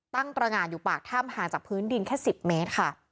ตรงานอยู่ปากถ้ำห่างจากพื้นดินแค่๑๐เมตรค่ะ